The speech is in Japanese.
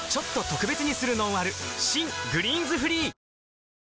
新「グリーンズフリー」男性）